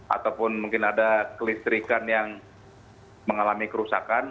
ataupun mungkin ada kelistrikan yang mengalami kerusakan